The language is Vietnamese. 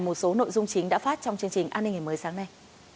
một số nội dung chính đã phát trong chương trình an ninh ngày mới sáng nay